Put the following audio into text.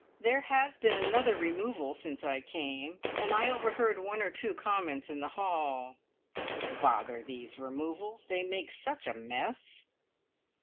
There has been another removal since I came, and I overheard one or two comments in the hall. "Bother these removals. They make such a mess!"